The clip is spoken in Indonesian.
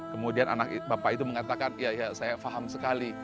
kemudian anak bapak itu mengatakan ya ya saya faham sekali